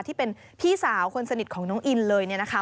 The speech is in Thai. ที่เป็นพี่สาวคนสนิทของน้องอินเลย